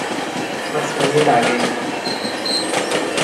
পাঁচ মিনিট আগেই।